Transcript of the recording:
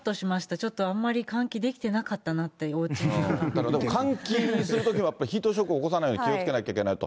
ちょっとあんまり換気できてなかだから、換気するときはヒートショック起こさないように、気をつけなきゃいけないと。